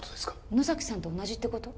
野崎さんと同じってこと？